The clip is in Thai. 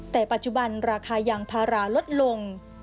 แต่ปัจจุบันราคายางพาราลดลง